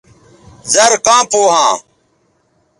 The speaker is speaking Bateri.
زر کاں پو ھاں